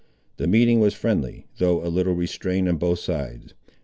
The meeting was friendly, though a little restrained on both sides.